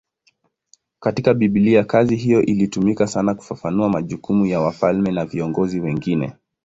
Katika Biblia kazi hiyo ilitumika sana kufafanua majukumu ya wafalme na viongozi wengine.